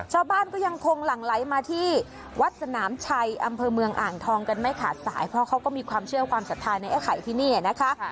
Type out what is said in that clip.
ชาวบ้านก็ยังคงหลั่งไหลมาที่วัดสนามชัยอำเภอเมืองอ่างทองกันไม่ขาดสายเพราะเขาก็มีความเชื่อความศรัทธาในไอ้ไข่ที่นี่นะคะ